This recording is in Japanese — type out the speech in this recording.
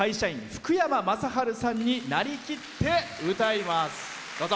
福山雅治さんになりきって歌います。